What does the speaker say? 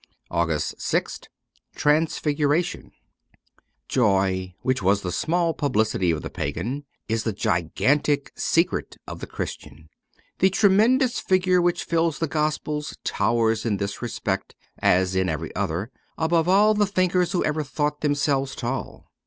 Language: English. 243 a 2 AUGUST 6th TRANSFIGURATION JOY, which was the small publicity of the pagan, is the gigantic secret of the Christian. The tre mendous figure which fills the Gospels towers in this respect, as in every other, above all the thinkers who ever thought themselves tall.